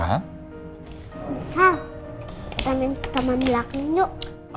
sal kita main teman laki laki yuk